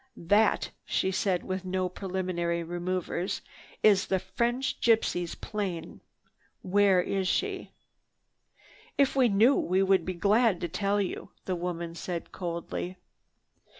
"That," she said with no preliminary maneuvers, "is the little French gypsy's plane. Where is she?" "If we knew, we would be glad to tell you," the woman said coldly.